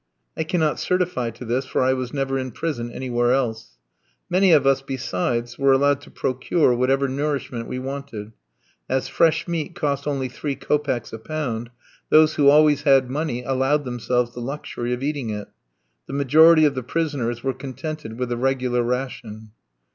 I cannot certify to this, for I was never in prison anywhere else. Many of us, besides, were allowed to procure whatever nourishment we wanted. As fresh meat cost only three kopecks a pound, those who always had money allowed themselves the luxury of eating it. The majority of the prisoners were contented with the regular ration.